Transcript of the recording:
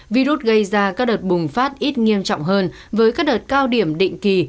virus gây ra các đợt bùng phát ít nghiêm trọng hơn với các đợt cao điểm định kỳ